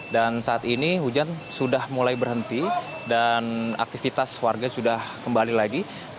dan saat ini hujan sudah mulai berhenti dan aktivitas warga sudah kembali lagi